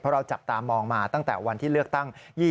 เราจับตามองมาตั้งแต่วันที่เลือกตั้ง